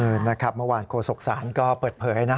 นะครับเมื่อวานโฆษกศาลก็เปิดเผยนะ